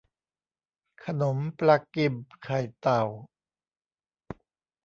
ขนมปลากิมไข่เต่า